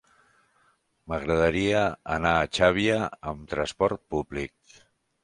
M'agradaria anar a Xàbia amb transport públic.